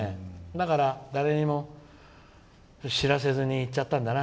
だから、誰にも知らせずにいっちゃったんだな。